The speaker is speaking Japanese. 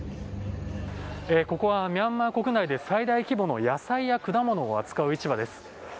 ここはミャンマー国内で最大規模の野菜や果物を扱う市場です。